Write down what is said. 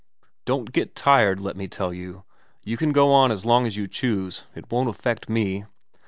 / don't get tired, let me tell you. You can go on as long as you choose, it won't affect me.'